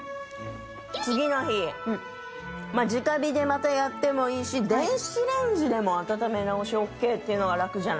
次の日直火でまたやってもいいし電子レンジでも温め直しオッケーっていうのが楽じゃない？